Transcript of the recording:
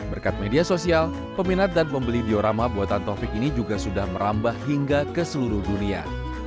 berkat media sosial peminat dan pembeli diorama buatan taufik ini juga sudah merambah hingga ke seluruh dunia